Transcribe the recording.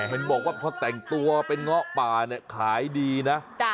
เห็นบอกว่าพอแต่งตัวเป็นเงาะป่าเนี่ยขายดีนะ